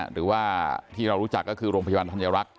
หรือว่าที่เรารู้จักก็คือโรงพยาบาลธัญรักษ